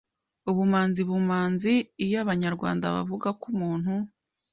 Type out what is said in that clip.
Ubumanzi b u m a n zi Iyo Abanyarwanda bavuga ko umuntu